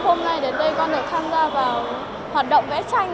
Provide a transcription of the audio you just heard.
hôm nay đến đây con được tham gia vào hoạt động vẽ tranh